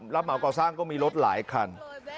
รับเหมาเกาะสร้างก็มีรถหลายคัน